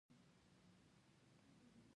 آیا د خپل مقاومت او همت له امله نه دی؟